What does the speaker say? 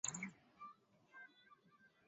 ete katika kituo hicho alipata kura tisini na mbili